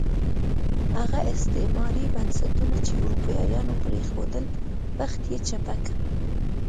هغه استعماري بنسټونه چې اروپایانو پرېښودل، بخت یې چپه کړ.